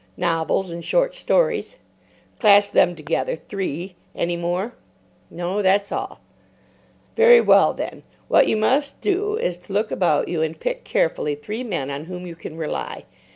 "Novels and short stories." "Class them together—three. Any more? "No; that's all." "Very well, then. What you must do is to look about you, and pick carefully three men on whom you can rely.